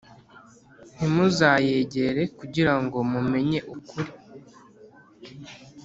Ntimuzayegere kugira ngo mumenye ukuri